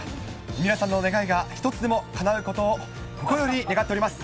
皆さんの願いが一つでもかなうことを心より願っております。